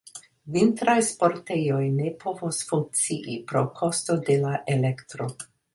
Vintraj sportejoj ne povos funkcii pro kosto de la elektro.